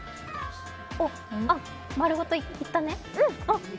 あ、丸ごといったね。